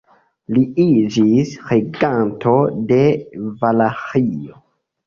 Li iĝis reganto de Valaĥio.